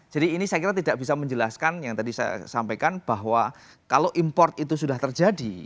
jadi ini saya kira tidak bisa menjelaskan yang tadi saya sampaikan bahwa kalau impor itu sudah terjadi